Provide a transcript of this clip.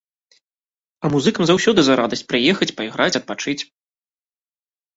А музыкам заўсёды за радасць прыехаць, пайграць, адпачыць.